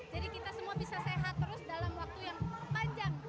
kita semua bisa sehat terus dalam waktu yang panjang